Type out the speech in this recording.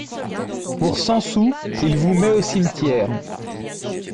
Pour cent sous il vous met au cimetière.